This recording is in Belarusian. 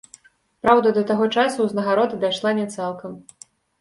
Праўда, да таго часу ўзнагарода дайшла не цалкам.